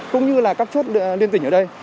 cũng như là các chốt liên tỉnh ở đây